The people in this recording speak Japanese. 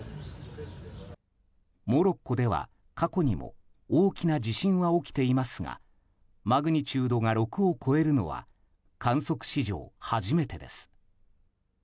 モロッコでは過去にも大きな地震は起きていますがマグニチュードが６を超えるのは観測史上初めてです。